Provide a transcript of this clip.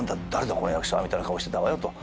この役者はみたいな顔してたわよと。